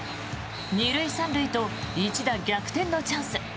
２塁３塁と一打逆転のチャンス。